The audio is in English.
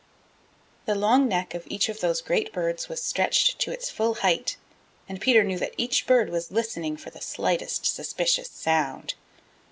The long neck of each of those great birds was stretched to its full height, and Peter knew that each bird was listening for the slightest suspicious sound.